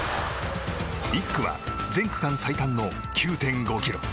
１区は全区間最短の９．５ｋｍ。